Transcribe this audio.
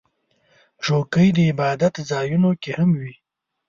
چوکۍ د عبادت ځایونو کې هم وي.